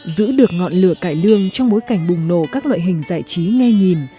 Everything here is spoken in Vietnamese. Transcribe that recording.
giữ được ngọn lửa cải lương trong bối cảnh bùng nổ các loại hình giải trí nghe nhìn